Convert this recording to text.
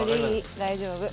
大丈夫。